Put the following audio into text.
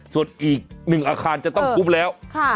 ส่วนอีก๑อาคารจะต้องทุบแล้ว